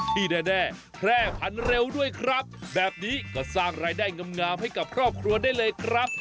สายพันธุ์ภูพานและอีกหลากหลายสายพันธุ์เพื่อจำหน่ายครับ